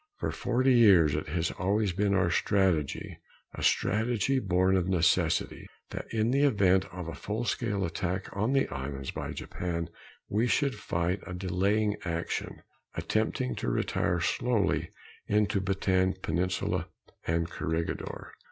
For forty years it has always been our strategy a strategy born of necessity that in the event of a full scale attack on the Islands by Japan, we should fight a delaying action, attempting to retire slowly into Bataan Peninsula and Corregidor.